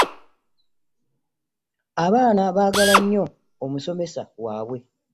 Abaana baagala nnyo omusomesa waabwe.